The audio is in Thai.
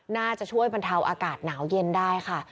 น่าจะช่วยบรรเทาอากาศหนาวเย็นได้ค่ะ